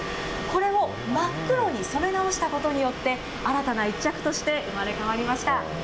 これを真っ黒に染め直したことによって、新たな１着として生まれ変わりました。